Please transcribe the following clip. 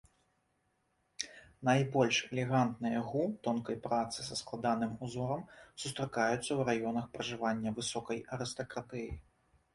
Найбольш элегантныя гу тонкай працы са складаным узорам сустракаюцца ў раёнах пражывання высокай арыстакратыі.